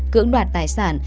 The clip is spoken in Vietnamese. cưỡng đoạt tài sản